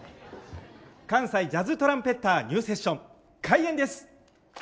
関西ジャズトランペッターニューセッション開演です。